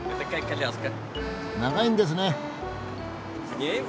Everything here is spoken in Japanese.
長いんですね。